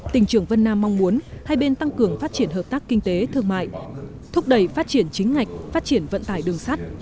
tỉnh trưởng vân nam mong muốn hai bên tăng cường phát triển hợp tác kinh tế thương mại thúc đẩy phát triển chính ngạch phát triển vận tải đường sắt